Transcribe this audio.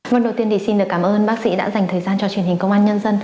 vâng đầu tiên thì xin được cảm ơn bác sĩ đã dành thời gian cho truyền hình công an nhân dân